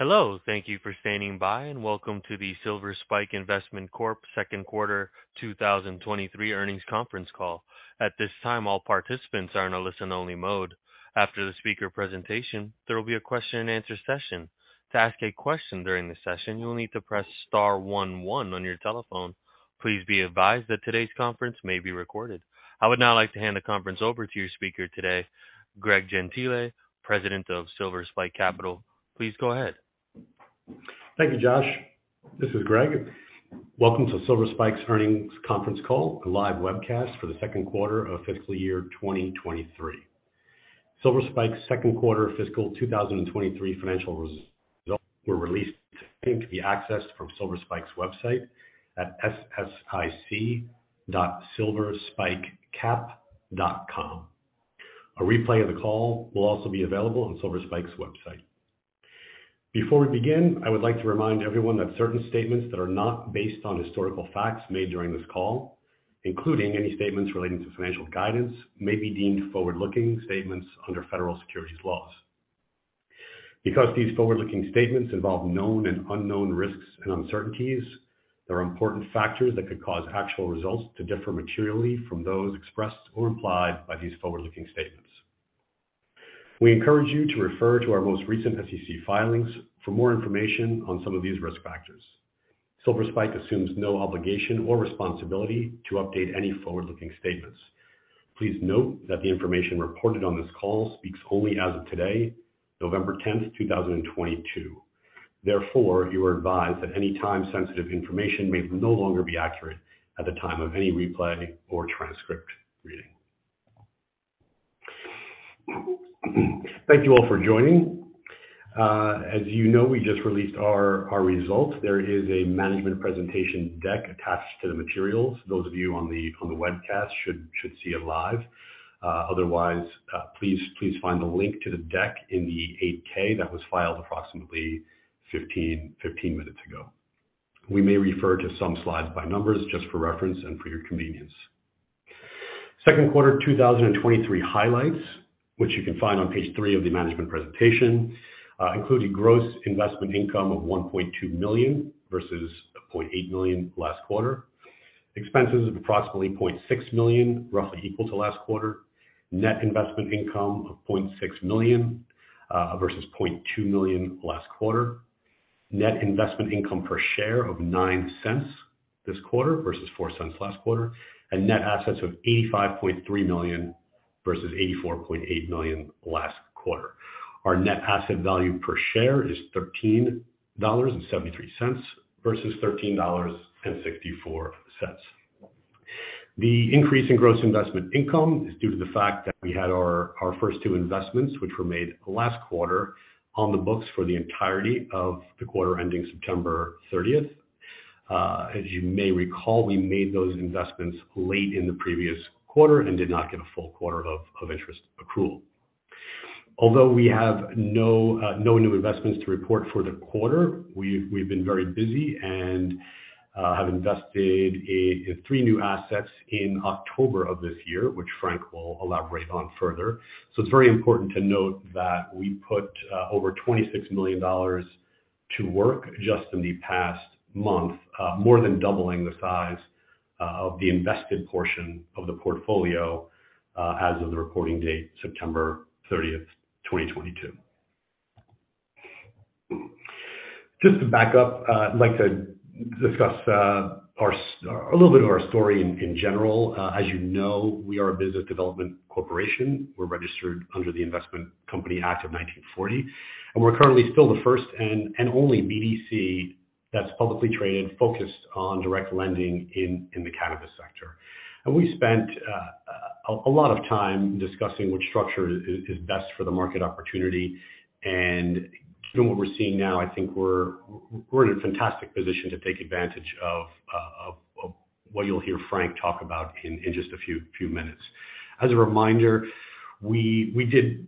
Hello, thank you for standing by, and welcome to the Silver Spike Investment Corp second quarter 2023 earnings conference call. At this time, all participants are in a listen-only mode. After the speaker presentation, there will be a question and answer session. To ask a question during the session, you will need to press star one one on your telephone. Please be advised that today's conference may be recorded. I would now like to hand the conference over to your speaker today, Greg Gentile, President of Silver Spike Capital. Please go ahead. Thank you, Josh. This is Greg. Welcome to Silver Spike's earnings conference call, a live webcast for the second quarter of fiscal year 2023. Silver Spike's second quarter fiscal 2023 financial results were released and can be accessed from Silver Spike's website at ssic.silverspikecap.com. A replay of the call will also be available on Silver Spike's website. Before we begin, I would like to remind everyone that certain statements that are not based on historical facts made during this call, including any statements relating to financial guidance, may be deemed forward-looking statements under federal securities laws. Because these forward-looking statements involve known and unknown risks and uncertainties, there are important factors that could cause actual results to differ materially from those expressed or implied by these forward-looking statements. We encourage you to refer to our most recent SEC filings for more information on some of these risk factors. Silver Spike assumes no obligation or responsibility to update any forward-looking statements. Please note that the information reported on this call speaks only as of today, November tenth, two thousand and twenty-two. Therefore, you are advised that any time sensitive information may no longer be accurate at the time of any replay or transcript reading. Thank you all for joining. As you know, we just released our results. There is a management presentation deck attached to the materials. Those of you on the webcast should see it live. Otherwise, please find the link to the deck in the 8-K that was filed approximately 15 minutes ago. We may refer to some slides by numbers just for reference and for your convenience. Second quarter 2023 highlights, which you can find on page 3 of the management presentation, including gross investment income of $1.2 million versus $0.8 million last quarter. Expenses of approximately $0.6 million, roughly equal to last quarter. Net investment income of $0.6 million, versus $0.2 million last quarter. Net investment income per share of $0.09 this quarter versus $0.04 last quarter, and net assets of $85.3 million versus $84.8 million last quarter. Our net asset value per share is $13.73 versus $13.64. The increase in gross investment income is due to the fact that we had our first two investments, which were made last quarter, on the books for the entirety of the quarter ending September 30. As you may recall, we made those investments late in the previous quarter and did not get a full quarter of interest accrual. Although we have no new investments to report for the quarter, we've been very busy and have invested three new assets in October of this year, which Frank will elaborate on further. It's very important to note that we put over $26 million to work just in the past month, more than doubling the size of the invested portion of the portfolio, as of the reporting date, September 30, 2022. Just to back up, I'd like to discuss a little bit of our story in general. As you know, we are a business development corporation. We're registered under the Investment Company Act of 1940, and we're currently still the first and only BDC that's publicly traded, focused on direct lending in the cannabis sector. We spent a lot of time discussing which structure is best for the market opportunity. Given what we're seeing now, I think we're in a fantastic position to take advantage of what you'll hear Frank talk about in just a few minutes. As a reminder, we did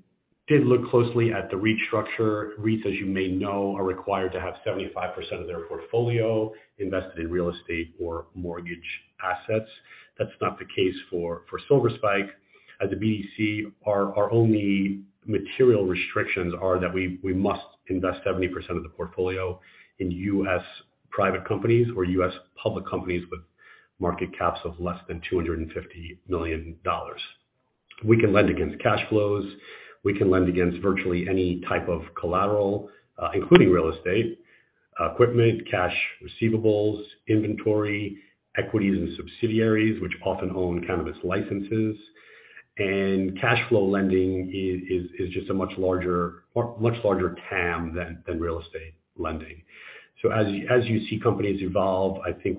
look closely at the REIT structure. REITs, as you may know, are required to have 75% of their portfolio invested in real estate or mortgage assets. That's not the case for Silver Spike. As a BDC, our only material restrictions are that we must invest 70% of the portfolio in U.S. private companies or U.S. public companies with market caps of less than $250 million. We can lend against cash flows. We can lend against virtually any type of collateral, including real estate, equipment, cash receivables, inventory, equities and subsidiaries, which often own cannabis licenses. Cash flow lending is just a much larger TAM than real estate lending. As you see companies evolve, I think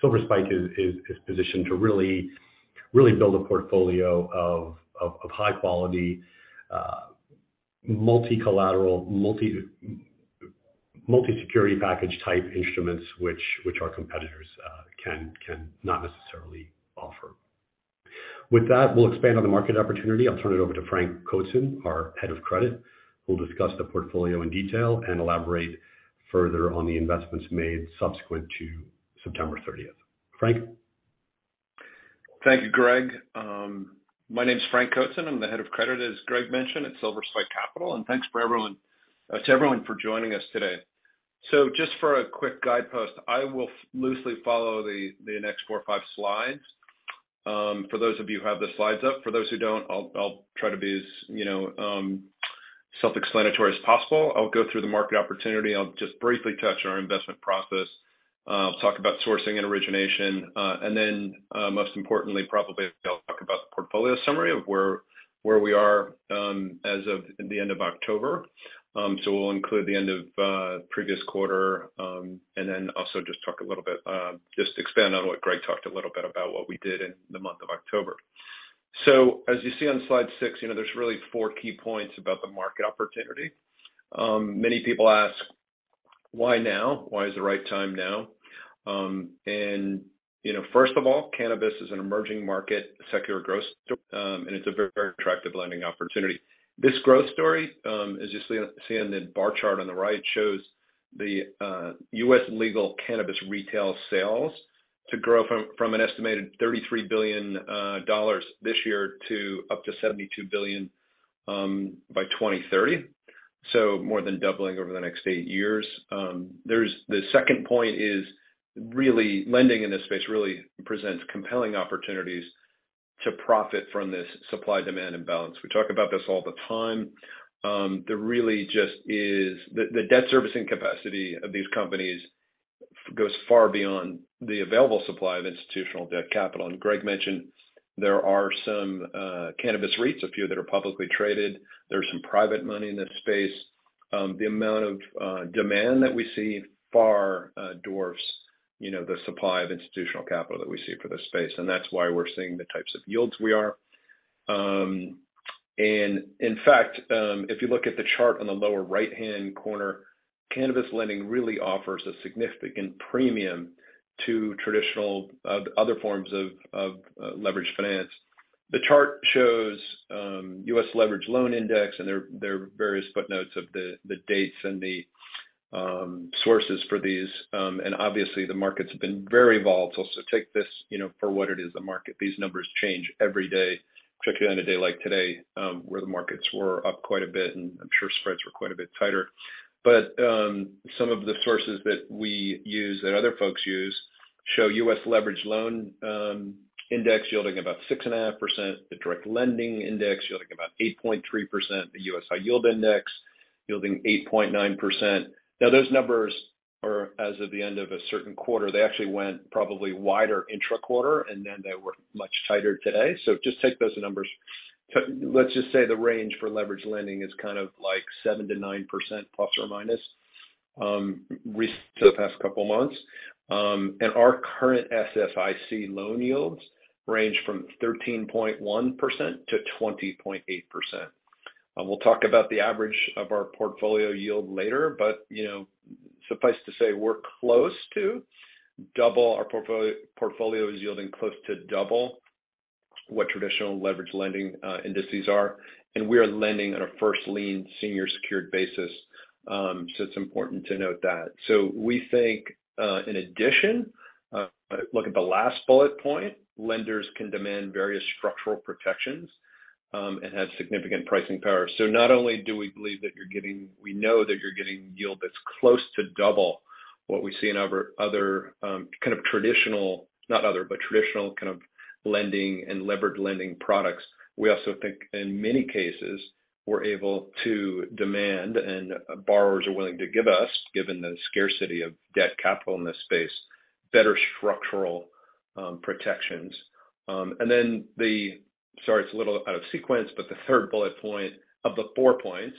Chicago Atlantic is positioned to really build a portfolio of high quality multi-collateral, multi-security package type instruments which our competitors can not necessarily offer. With that, we'll expand on the market opportunity. I'll turn it over to Frank Kotsen, our Head of Credit, who will discuss the portfolio in detail and elaborate further on the investments made subsequent to September thirtieth. Frank? Thank you, Greg. My name is Frank Kotsen. I'm the Head of Credit, as Greg mentioned, at Chicago Atlantic. Thanks to everyone for joining us today. Just for a quick guidepost, I will loosely follow the next four or five slides, for those of you who have the slides up. For those who don't, I'll try to be as, you know, self-explanatory as possible. I'll go through the market opportunity. I'll just briefly touch on our investment process, talk about sourcing and origination. Most importantly, probably I'll talk about the portfolio summary of where we are, as of the end of October. We'll include the end of previous quarter, and then also just talk a little bit, just expand on what Greg talked a little bit about what we did in the month of October. As you see on slide six, you know, there's really four key points about the market opportunity. Many people ask, why now? Why is the right time now? And, you know, first of all, cannabis is an emerging market, secular growth, and it's a very attractive lending opportunity. This growth story, as you see on the bar chart on the right, shows the U.S. legal cannabis retail sales to grow from an estimated $33 billion this year to up to $72 billion by 2030. More than doubling over the next eight years. The second point is really lending in this space really presents compelling opportunities to profit from this supply-demand imbalance. We talk about this all the time. The debt servicing capacity of these companies goes far beyond the available supply of institutional debt capital. Greg mentioned there are some cannabis REITs, a few that are publicly traded. There's some private money in that space. The amount of demand that we see far dwarfs, you know, the supply of institutional capital that we see for this space, and that's why we're seeing the types of yields we are. In fact, if you look at the chart on the lower right-hand corner, cannabis lending really offers a significant premium to traditional other forms of leveraged finance. The chart shows U.S. leveraged loan index and there are various footnotes of the dates and the sources for these. Obviously the markets have been very volatile. Take this, you know, for what it is, the market. These numbers change every day, particularly on a day like today, where the markets were up quite a bit and I'm sure spreads were quite a bit tighter. Some of the sources that we use, that other folks use, show U.S. leveraged loan index yielding about 6.5%, the Direct Lending Index yielding about 8.3%, the U.S. high yield index yielding 8.9%. Those numbers are as of the end of a certain quarter. They actually went probably wider intra-quarter, and then they were much tighter today. Just take those numbers. Let's just say the range for leveraged lending is kind of like 7%-9%± for the past couple of months. Our current SSIC loan yields range from 13.1% to 20.8%. We'll talk about the average of our portfolio yield later, but, you know, suffice to say, our portfolio is yielding close to double what traditional leveraged lending indices are. We are lending on a first lien senior secured basis, so it's important to note that. We think, in addition, look at the last bullet point, lenders can demand various structural protections and have significant pricing power. Not only do we believe that you're getting, we know that you're getting yield that's close to double what we see in other kind of traditional, not other, but traditional kind of lending and leveraged lending products. We also think in many cases, we're able to demand, and borrowers are willing to give us, given the scarcity of debt capital in this space, better structural protections. Then the, sorry, it's a little out of sequence, but the third bullet point of the four points,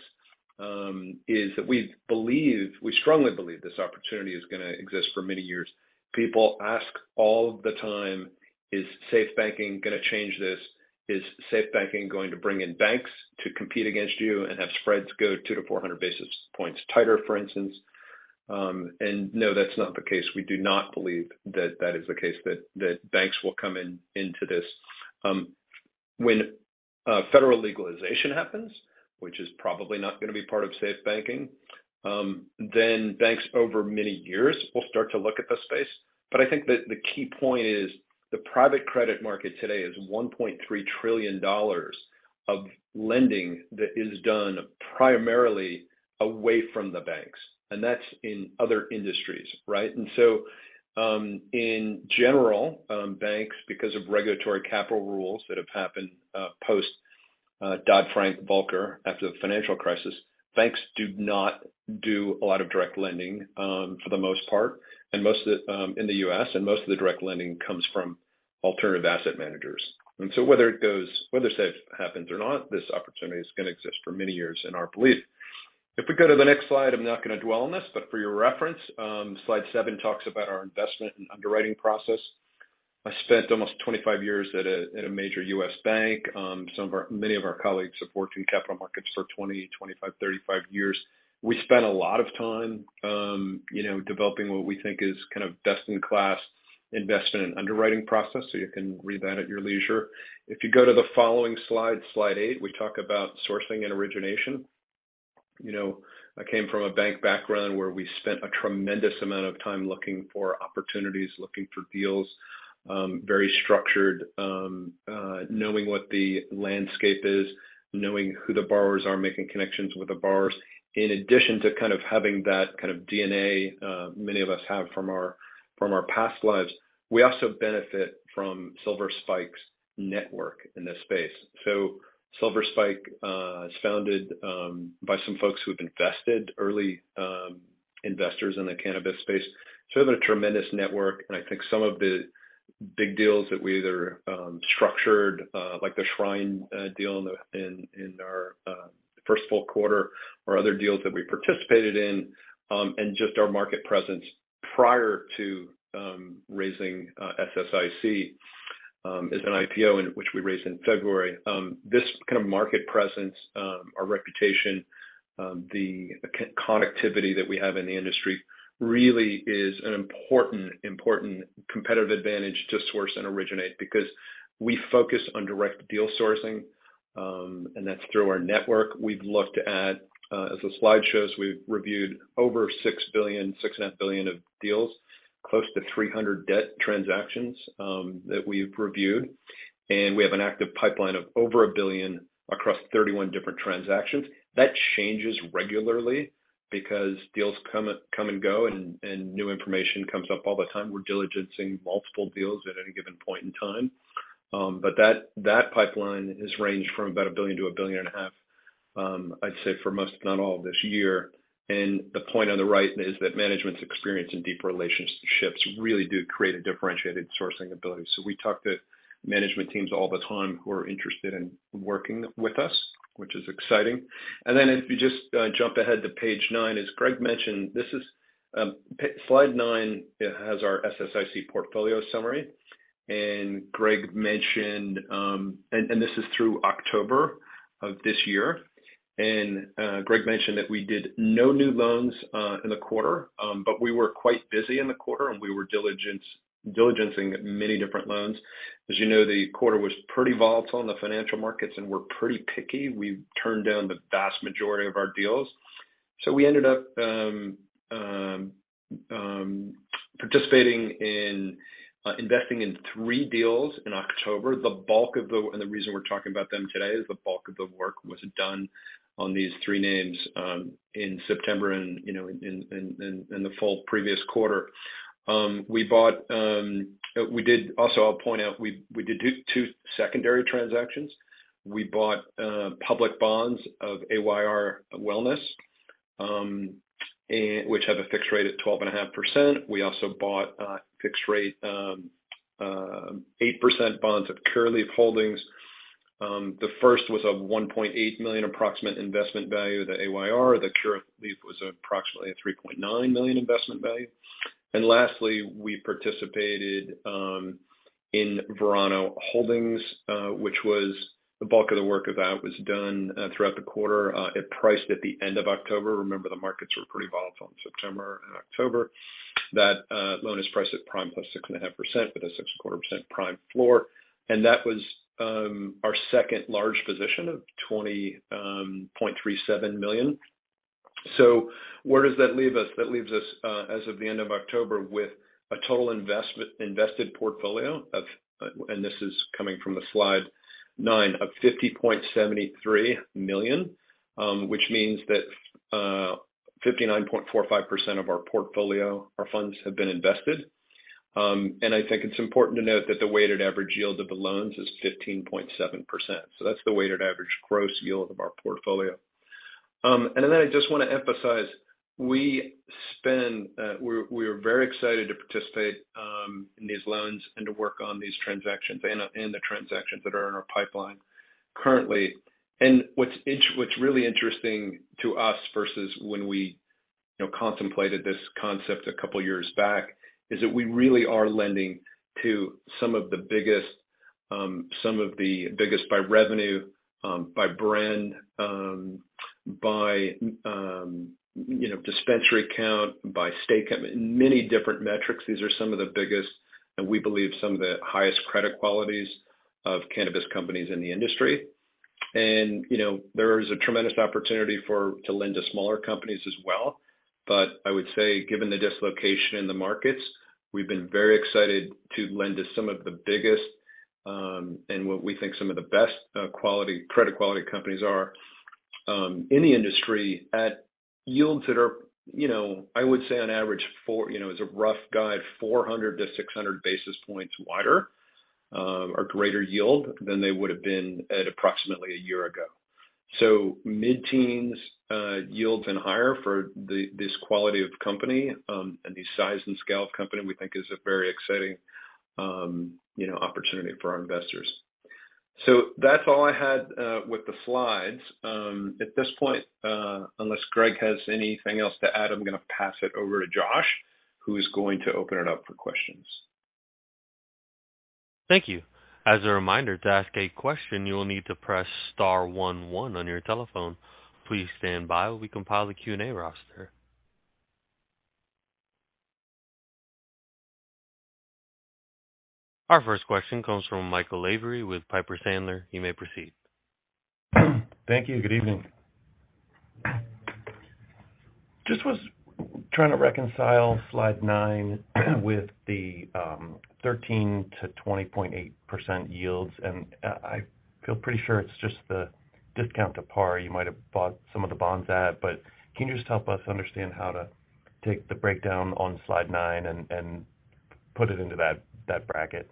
is that we believe, we strongly believe this opportunity is gonna exist for many years. People ask all the time, is safe banking gonna change this? Is safe banking going to bring in banks to compete against you and have spreads go 200-400 basis points tighter, for instance? No, that's not the case. We do not believe that is the case, that banks will come in into this. When federal legalization happens, which is probably not gonna be part of SAFE Banking, then banks over many years will start to look at this space. I think that the key point is the private credit market today is $1.3 trillion of lending that is done primarily away from the banks, and that's in other industries, right? In general, banks, because of regulatory capital rules that have happened post Dodd-Frank, Volcker, after the financial crisis, banks do not do a lot of direct lending for the most part, and most of the in the U.S., and most of the direct lending comes from alternative asset managers. Whether it goes, whether SAFE happens or not, this opportunity is gonna exist for many years in our belief. If we go to the next slide, I'm not gonna dwell on this, but for your reference, slide 7 talks about our investment and underwriting process. I spent almost 25 years at a major U.S. bank. Many of our colleagues have worked in capital markets for 20, 25, 35 years. We spent a lot of time, you know, developing what we think is kind of best-in-class investment and underwriting process, so you can read that at your leisure. If you go to the following slide 8, we talk about sourcing and origination. You know, I came from a bank background where we spent a tremendous amount of time looking for opportunities, looking for deals, very structured, knowing what the landscape is, knowing who the borrowers are, making connections with the borrowers. In addition to kind of having that kind of DNA, many of us have from our past lives, we also benefit from Silver Spike's network in this space. Silver Spike is founded by some folks who've invested early, investors in the cannabis space. They have a tremendous network, and I think some of the big deals that we either structured, like the Shryne deal in our first full quarter or other deals that we participated in, and just our market presence prior to raising SSIC as an IPO in which we raised in February. This kind of market presence, our reputation, the connectivity that we have in the industry really is an important competitive advantage to source and originate because we focus on direct deal sourcing, and that's through our network. We've looked at, as the slide shows, we've reviewed over $6.5 billion of deals, close to 300 debt transactions that we've reviewed. We have an active pipeline of over $1 billion across 31 different transactions. That changes regularly because deals come and go and new information comes up all the time. We're diligencing multiple deals at any given point in time. But that pipeline has ranged from about $1 billion-$1.5 billion. I'd say for most, if not all, of this year. The point on the right is that management's experience and deep relationships really do create a differentiated sourcing ability. We talk to management teams all the time who are interested in working with us, which is exciting. Then if you just jump ahead to page nine, as Greg mentioned, slide nine has our SSIC portfolio summary. Greg mentioned this is through October of this year. Greg mentioned that we did no new loans in the quarter, but we were quite busy in the quarter and we were diligencing many different loans. As you know, the quarter was pretty volatile in the financial markets and we're pretty picky. We turned down the vast majority of our deals. We ended up participating in investing in three deals in October. The reason we're talking about them today is the bulk of the work was done on these three names in September and, you know, in the full previous quarter. Also, I'll point out, we did two secondary transactions. We bought public bonds of Ayr Wellness, and which have a fixed rate at 12.5%. We also bought a fixed rate 8% bonds of Curaleaf Holdings. The first was a $1.8 million approximate investment value, Ayr. The Curaleaf was approximately a $3.9 million investment value. Lastly, we participated in Verano Holdings, which was the bulk of the work of that was done throughout the quarter. It priced at the end of October. Remember, the markets were pretty volatile in September and October. That loan is priced at prime plus 6.5%, with a 6.25% prime floor. That was our second large position of $20.37 million. So where does that leave us? That leaves us as of the end of October with a total invested portfolio of $50.73 million, and this is coming from slide 9, which means that 59.45% of our portfolio, our funds, have been invested. I think it's important to note that the weighted average yield of the loans is 15.7%. That's the weighted average gross yield of our portfolio. I just want to emphasize, we are very excited to participate in these loans and to work on these transactions and the transactions that are in our pipeline currently. What's really interesting to us versus when we, you know, contemplated this concept a couple years back is that we really are lending to some of the biggest, some of the biggest by revenue, by brand, by, you know, dispensary count, by stake, many different metrics. These are some of the biggest and we believe some of the highest credit qualities of cannabis companies in the industry. You know, there is a tremendous opportunity to lend to smaller companies as well. I would say, given the dislocation in the markets, we've been very excited to lend to some of the biggest and what we think some of the best credit quality companies in the industry at yields that are, you know, I would say on average, you know, as a rough guide, 400-600 basis points wider or greater yield than they would have been at approximately a year ago. So mid-teens yields and higher for this quality of company and the size and scale of company, we think is a very exciting, you know, opportunity for our investors. So that's all I had with the slides. At this point, unless Greg has anything else to add, I'm gonna pass it over to Josh, who is going to open it up for questions. Thank you. As a reminder, to ask a question, you will need to press star one one on your telephone. Please stand by while we compile the Q&A roster. Our first question comes from Michael Lavery with Piper Sandler. You may proceed. Thank you. Good evening. Just was trying to reconcile slide nine with the 13%-20.8% yields, and I feel pretty sure it's just the discount to par you might have bought some of the bonds at. Can you just help us understand how to take the breakdown on slide nine and put it into that bracket?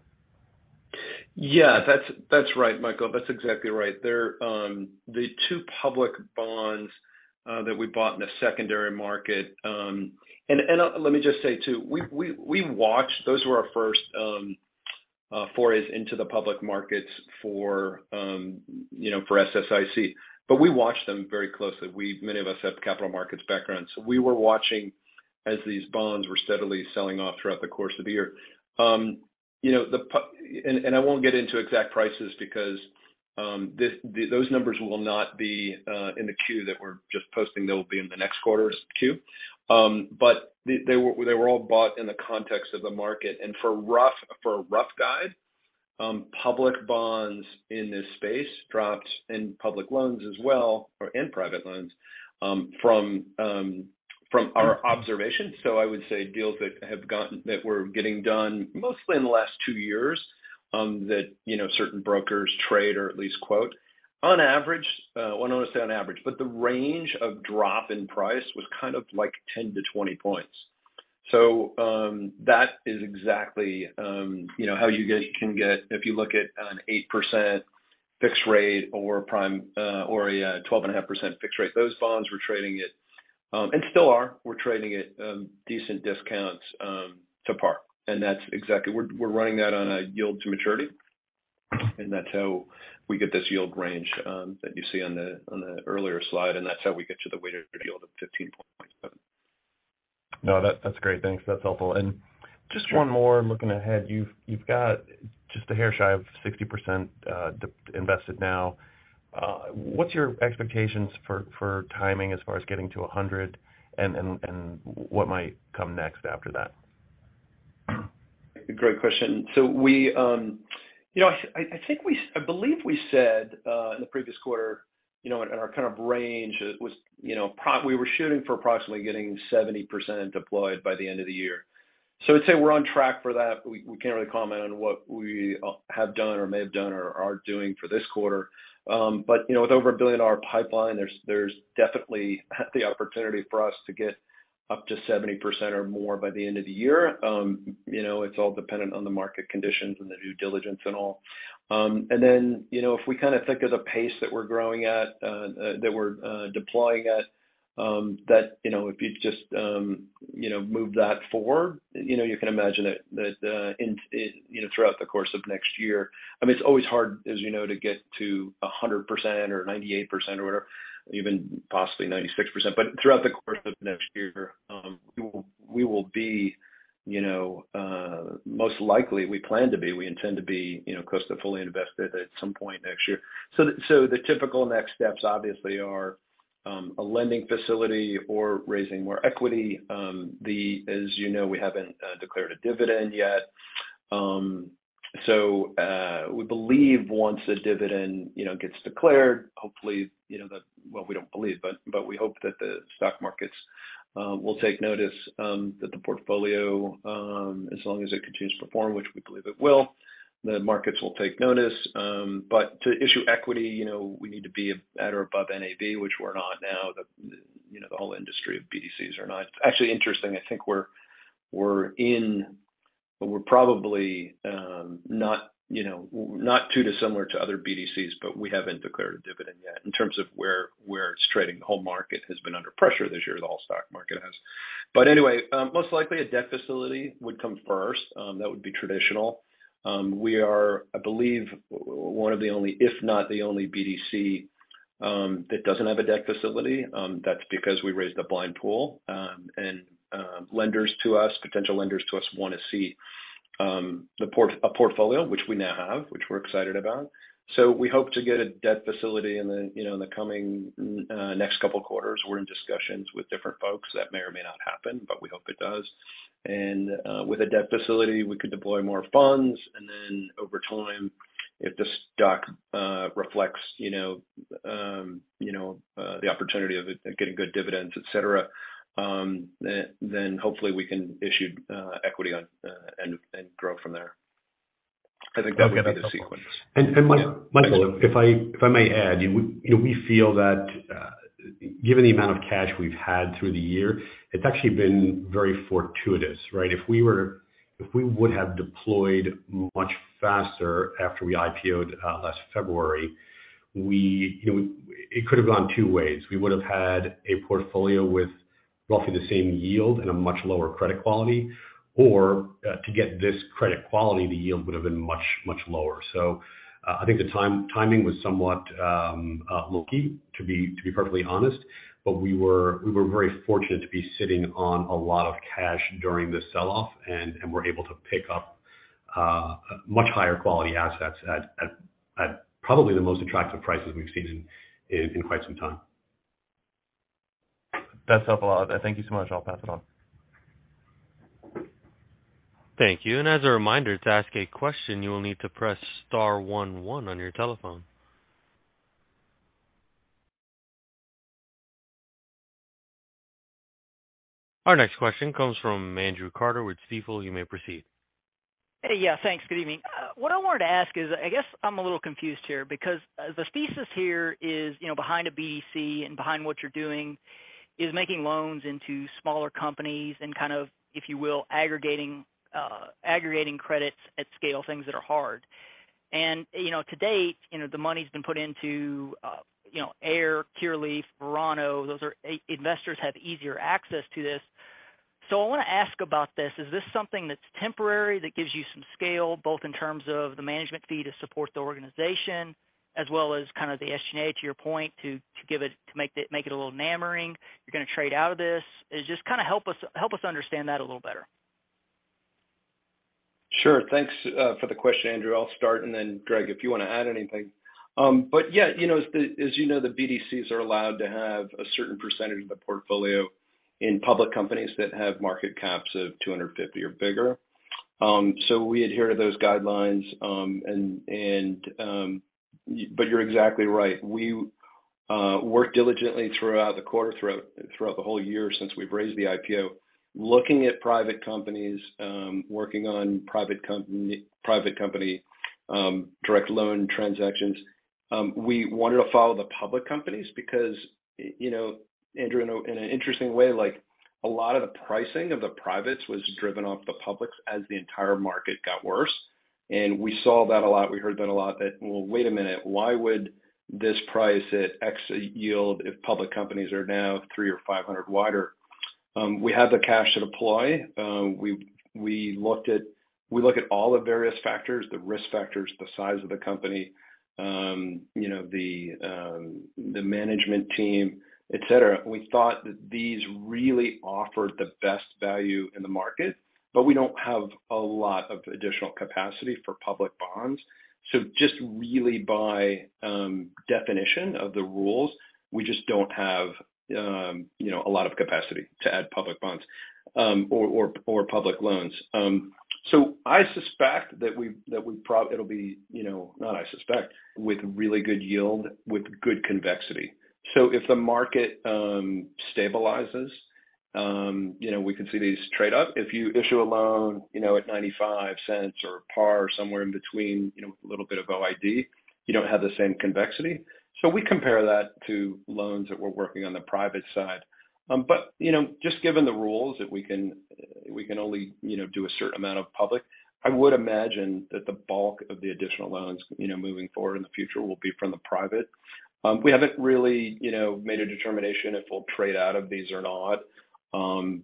Yeah. That's right, Michael. That's exactly right. They're the two public bonds that we bought in the secondary market. Let me just say, too. Those were our first forays into the public markets for, you know, SSIC. We watched them very closely. Many of us have capital markets backgrounds. We were watching as these bonds were steadily selling off throughout the course of the year. You know, I won't get into exact prices because those numbers will not be in the queue that we're just posting. They will be in the next quarter's queue. They were all bought in the context of the market. For a rough guide, public bonds in this space dropped, and public loans as well, and private loans, from our observation. I would say deals that were getting done mostly in the last two years, you know, certain brokers trade or at least quote on average, well, I don't wanna say on average. The range of drop in price was kind of like 10-20 points. That is exactly, you know, how you can get if you look at an 8% fixed rate or prime, or a 12.5% fixed rate. Those bonds were trading at, and still are trading at, decent discounts to par. That's exactly. We're running that on a yield to maturity, and that's how we get this yield range that you see on the earlier slide, and that's how we get to the weighted yield of 15.7. No, that's great. Thanks. That's helpful. Just one more looking ahead. You've got just a hair shy of 60% invested now. What's your expectations for timing as far as getting to 100, and what might come next after that? Great question. We, you know, I believe we said in the previous quarter, you know, in our kind of range was, you know, we were shooting for approximately getting 70% deployed by the end of the year. I'd say we're on track for that. We can't really comment on what we have done or may have done or are doing for this quarter. You know, with over a $1 billion pipeline, there's definitely the opportunity for us to get up to 70% or more by the end of the year. It's all dependent on the market conditions and the due diligence and all. You know, if we kinda think of the pace that we're growing at, that we're deploying at, that, you know, if you just, you know, move that forward, you know, you can imagine that, in, you know, throughout the course of next year. I mean, it's always hard, as you know, to get to 100% or 98% or whatever, even possibly 96%. Throughout the course of next year, we will be, you know, most likely, we plan to be, we intend to be, you know, close to fully invested at some point next year. The typical next steps obviously are a lending facility or raising more equity. As you know, we haven't declared a dividend yet. We believe once a dividend, you know, gets declared, hopefully, you know, that we hope that the stock markets will take notice that the portfolio as long as it continues to perform, which we believe it will, the markets will take notice. To issue equity, you know, we need to be at or above NAV, which we're not now. The, you know, the whole industry of BDCs are not. Actually interesting, I think we're probably not, you know, not too dissimilar to other BDCs, but we haven't declared a dividend yet in terms of where it's trading. The whole market has been under pressure this year. The whole stock market has. Anyway, most likely a debt facility would come first. That would be traditional. We are, I believe, one of the only, if not the only BDC, that doesn't have a debt facility. That's because we raised a blind pool. Lenders to us, potential lenders to us wanna see the portfolio which we now have, which we're excited about. We hope to get a debt facility in the, you know, in the coming next couple quarters. We're in discussions with different folks. That may or may not happen, but we hope it does. With a debt facility, we could deploy more funds. Over time, if the stock reflects you know the opportunity of it getting good dividends, et cetera, then hopefully we can issue equity on and grow from there. I think that would be the sequence. Michael, if I may add, you know, we feel that, given the amount of cash we've had through the year, it's actually been very fortuitous, right? If we would have deployed much faster after we IPO'd last February, we, you know, it could have gone two ways. We would have had a portfolio with roughly the same yield and a much lower credit quality or to get this credit quality, the yield would have been much lower. I think the timing was somewhat lucky, to be perfectly honest. We were very fortunate to be sitting on a lot of cash during this sell-off and were able to pick up much higher quality assets at probably the most attractive prices we've seen in quite some time. That's helpful. Thank you so much. I'll pass it on. Thank you. As a reminder, to ask a question, you will need to press star one one on your telephone. Our next question comes from Andrew Carter with Stifel. You may proceed. Hey. Yeah, thanks. Good evening. What I wanted to ask is, I guess I'm a little confused here because the thesis here is, you know, behind a BDC and behind what you're doing is making loans into smaller companies and kind of, if you will, aggregating credits at scale, things that are hard. You know, to date, you know, the money's been put into, you know, Ayr, Curaleaf, Verano. Those are institutional investors have easier access to this. I wanna ask about this. Is this something that's temporary, that gives you some scale, both in terms of the management fee to support the organization as well as kind of the SG&A, to your point, to make it a little name-worthy. You're gonna trade out of this. Just kinda help us understand that a little better. Sure. Thanks, for the question, Andrew. I'll start, and then Greg, if you wanna add anything. Yeah, you know, as you know, the BDCs are allowed to have a certain percentage of the portfolio in public companies that have market caps of 250 or bigger. We adhere to those guidelines. You're exactly right. We work diligently throughout the quarter, throughout the whole year since we've raised the IPO, looking at private companies, working on private company direct loan transactions. We wanted to follow the public companies because, you know, Andrew, in an interesting way, like, a lot of the pricing of the privates was driven off the public as the entire market got worse. We saw that a lot. We heard that a lot. Well, wait a minute. Why would this price at X yield if public companies are now 300 or 500 wider? We have the cash to deploy. We look at all the various factors, the risk factors, the size of the company, you know, the management team, et cetera. We thought that these really offered the best value in the market, but we don't have a lot of additional capacity for public bonds. Just really by definition of the rules, we just don't have, you know, a lot of capacity to add public bonds, or public loans. It'll be, you know. Not I suspect, with really good yield, with good convexity. If the market stabilizes, you know, we can see these trade up. If you issue a loan, you know, at $0.95 or par somewhere in between, you know, a little bit of OID, you don't have the same convexity. We compare that to loans that we're working on the private side. But you know, just given the rules that we can only, you know, do a certain amount of public, I would imagine that the bulk of the additional loans, you know, moving forward in the future will be from the private. We haven't really, you know, made a determination if we'll trade out of these or not.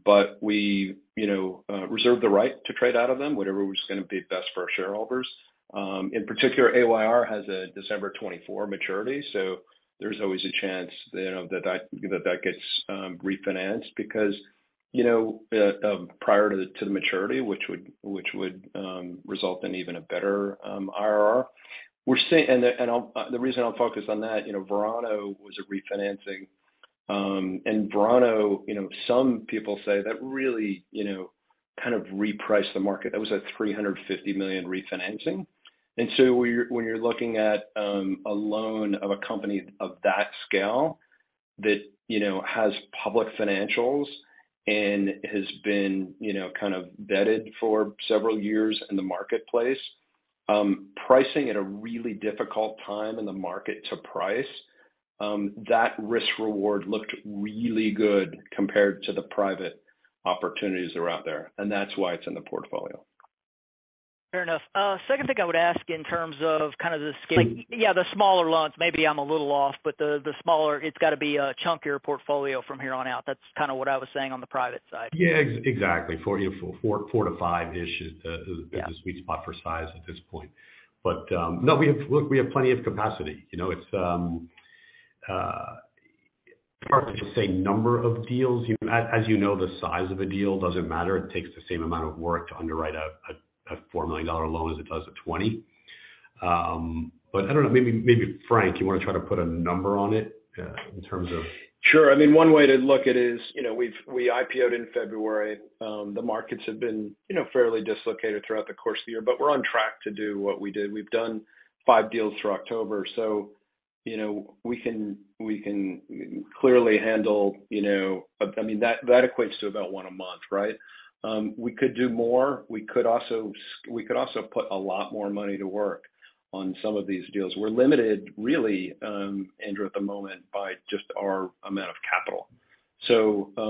But we, you know, reserve the right to trade out of them, whatever is gonna be best for our shareholders. In particular, Ayr has a December 2024 maturity, so there's always a chance, you know, that that gets refinanced because, you know, prior to the maturity, which would result in even a better IRR. The reason I'll focus on that, you know, Verano was a refinancing. Verano, you know, some people say that really, you know, kind of repriced the market. That was a $350 million refinancing. When you're looking at a loan of a company of that scale that, you know, has public financials and has been, you know, kind of vetted for several years in the marketplace, pricing at a really difficult time in the market to price, that risk reward looked really good compared to the private opportunities that are out there, and that's why it's in the portfolio. Fair enough. Second thing I would ask in terms of kind of the scale- So- Yeah, the smaller loans, maybe I'm a little off, but the smaller, it's gotta be a chunkier portfolio from here on out. That's kinda what I was saying on the private side. Yeah, exactly. You know, four to five-ish is Yeah. The sweet spot for size at this point. No, we have plenty of capacity. You know, it's hard for me to say number of deals. As you know, the size of a deal doesn't matter. It takes the same amount of work to underwrite a $4 million loan as it does a $20 million. But I don't know. Maybe Frank, you want to try to put a number on it in terms of. Sure. I mean, one way to look at it is, you know, we IPO'd in February. The markets have been, you know, fairly dislocated throughout the course of the year, but we're on track to do what we did. We've done five deals through October, so, you know, we can clearly handle, you know. I mean, that equates to about one a month, right? We could do more. We could also put a lot more money to work on some of these deals. We're limited, really, Andrew, at the moment by just our amount of capital.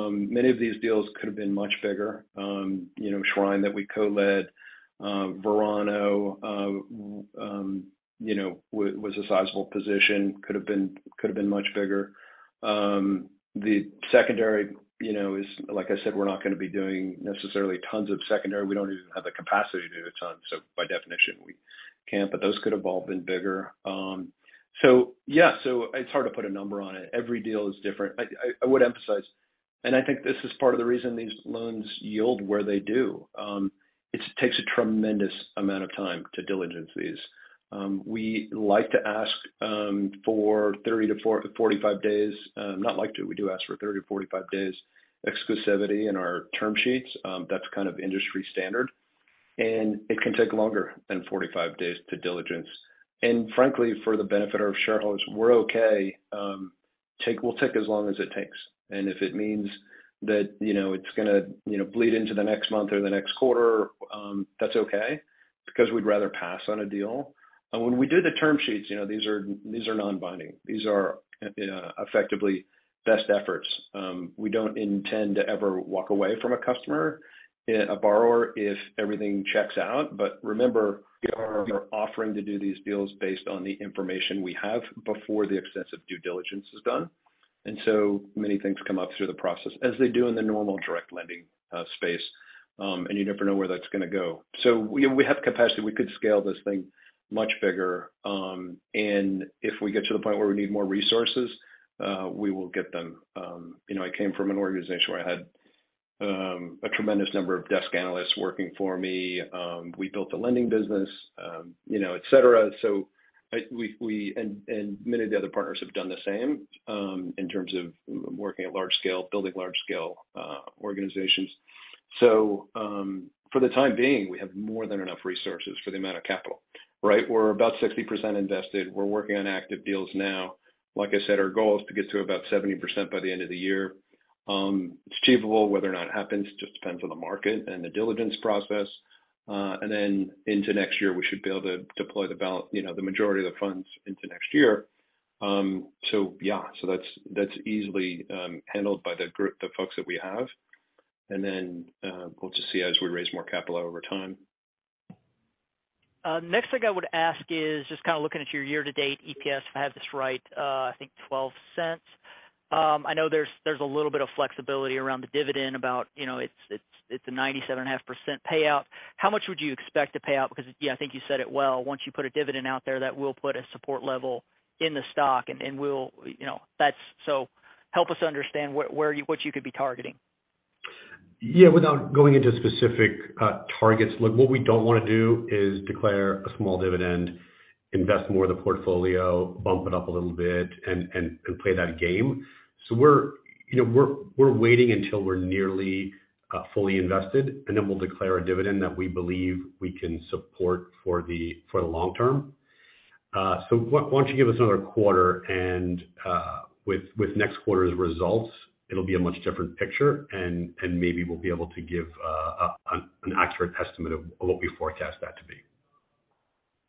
Many of these deals could have been much bigger. You know, Shryne that we co-led, Verano, you know, was a sizable position, could have been much bigger. The secondary, you know, is, like I said, we're not gonna be doing necessarily tons of secondary. We don't even have the capacity to do a ton, so by definition, we can't. Those could have all been bigger. Yeah, so it's hard to put a number on it. Every deal is different. I would emphasize, I think this is part of the reason these loans yield where they do. It takes a tremendous amount of time to diligence these. We do ask for 30-45 days exclusivity in our term sheets. That's kind of industry standard. It can take longer than 45 days to diligence. Frankly, for the benefit of our shareholders, we'll take as long as it takes. If it means that, you know, it's gonna, you know, bleed into the next month or the next quarter, that's okay, because we'd rather pass on a deal. When we do the term sheets, you know, these are non-binding. These are effectively best efforts. We don't intend to ever walk away from a customer, a borrower if everything checks out. Remember, we are offering to do these deals based on the information we have before the extensive due diligence is done. So many things come up through the process as they do in the normal direct lending space. You never know where that's gonna go. We have capacity. We could scale this thing much bigger. If we get to the point where we need more resources, we will get them. You know, I came from an organization where I had a tremendous number of desk analysts working for me. We built a lending business, you know, et cetera. We... Many of the other partners have done the same in terms of working at large scale, building large scale organizations. For the time being, we have more than enough resources for the amount of capital, right? We're about 60% invested. We're working on active deals now. Like I said, our goal is to get to about 70% by the end of the year. It's achievable. Whether or not it happens just depends on the market and the diligence process. Then into next year, we should be able to deploy the, you know, the majority of the funds into next year. Yeah. That's easily handled by the group, the folks that we have. Then, we'll just see as we raise more capital over time. Next thing I would ask is just kinda looking at your year-to-date EPS, if I have this right, I think $0.12. I know there's a little bit of flexibility around the dividend about, you know, it's a 97.5% payout. How much would you expect to pay out? I think you said it well, once you put a dividend out there that will put a support level in the stock and we'll, you know. Help us understand where you what you could be targeting. Yeah. Without going into specific targets. Look, what we don't wanna do is declare a small dividend, invest more of the portfolio, bump it up a little bit and play that game. We're, you know, waiting until we're nearly fully invested, and then we'll declare a dividend that we believe we can support for the long term. Why don't you give us another quarter and with next quarter's results, it'll be a much different picture and maybe we'll be able to give an accurate estimate of what we forecast that to be.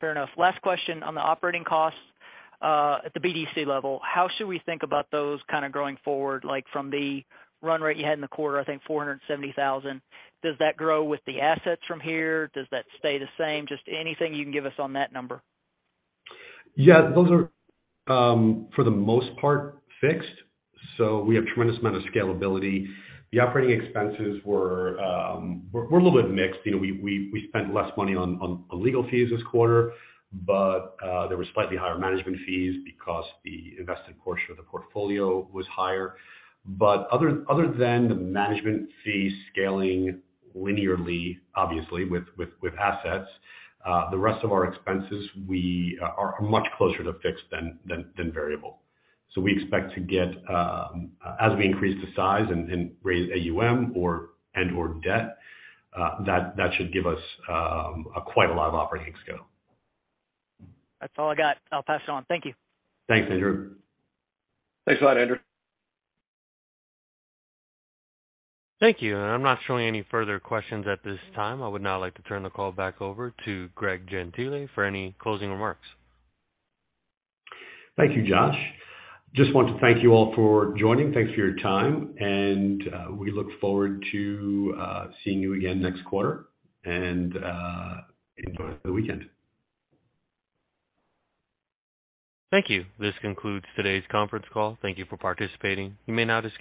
Fair enough. Last question on the operating costs at the BDC level. How should we think about those kinda going forward, like from the run rate you had in the quarter, I think $470,000. Does that grow with the assets from here? Does that stay the same? Just anything you can give us on that number. Yeah. Those are, for the most part, fixed. We have tremendous amount of scalability. The operating expenses were a little bit mixed. You know, we spent less money on legal fees this quarter, but there were slightly higher management fees because the invested portion of the portfolio was higher. Other than the management fees scaling linearly, obviously with assets, the rest of our expenses, we are much closer to fixed than variable. We expect to get, as we increase the size and raise AUM or and/or debt, that should give us quite a lot of operating scale. That's all I got. I'll pass on. Thank you. Thanks, Andrew. Thanks a lot, Andrew. Thank you. I'm not showing any further questions at this time. I would now like to turn the call back over to Greg Gentile for any closing remarks. Thank you, Josh. Just want to thank you all for joining. Thanks for your time, and we look forward to seeing you again next quarter. Enjoy the weekend. Thank you. This concludes today's conference call. Thank you for participating. You may now disconnect.